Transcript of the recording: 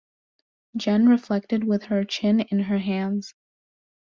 Jen reflected with her chin in her hands.